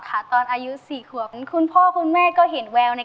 ถ้าพร้อมแล้วขอเชิญพบกับคุณลูกบาท